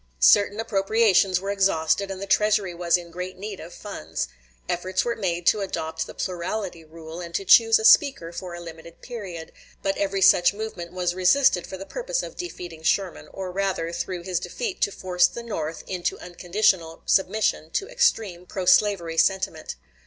Certain appropriations were exhausted, and the treasury was in great need of funds. Efforts were made to adopt the plurality rule, and to choose a Speaker for a limited period; but every such movement was resisted for the purpose of defeating Sherman, or rather, through his defeat to force the North into unconditional submission to extreme pro slavery sentiment.